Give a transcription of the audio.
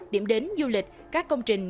điểm đến du lịch các công trình